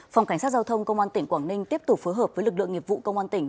phòng cảnh sát giao thông công an tỉnh quảng ninh tiếp tục phối hợp với lực lượng nghiệp vụ công an tỉnh